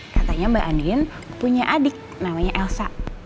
katanya mbak andin punya adik namanya elsa